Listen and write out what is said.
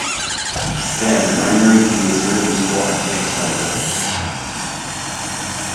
Then, primary key is irreducible and inextendable.